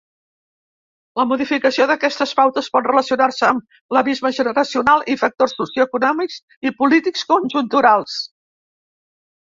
La modificació d'aquestes pautes pot relacionar-se amb l'abisme generacional i factors socioeconòmics i polítics conjunturals.